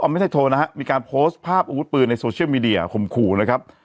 ไม่ใช่โทรนะฮะมีการโพสต์ภาพอาวุธปืนในโซเชียลมีเดียข่มขู่นะครับ